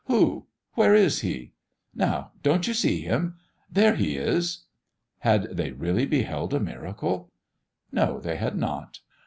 "Who? Where is he?" "Now don't you see him? There he is." Had they really beheld a miracle? No; they had not.